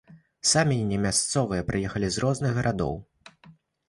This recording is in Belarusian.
Самі не мясцовыя, прыехалі з розных гарадоў.